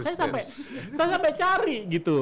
saya sampai cari gitu